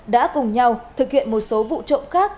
đã cùng nhau thực hiện một số vụ trộm khác